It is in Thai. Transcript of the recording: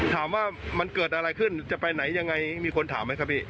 ถามว่ามันเกิดอะไรขึ้นจะไปไหนยังไงมีคนถามไหมครับพี่